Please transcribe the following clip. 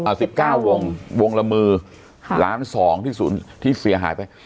เอาสิบเก้าวงวงละมือค่ะล้านสองที่ศูนย์ที่เสียหายไป